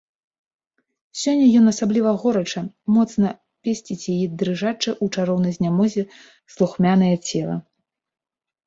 Сёння ён асабліва горача, моцна песціць яе дрыжачае ў чароўнай знямозе, слухмянае цела.